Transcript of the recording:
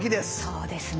そうですね。